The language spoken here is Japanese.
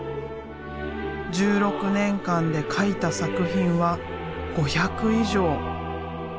１６年間で描いた作品は５００以上。